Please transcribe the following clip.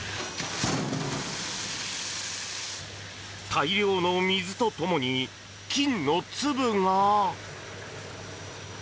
大量の水とともに、金の粒が！